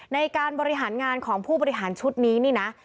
ในการบริหารงานของผู้บริหารชุดนี้นี่นะ